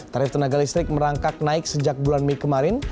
tarif tenaga listrik merangkak naik sejak bulan mei kemarin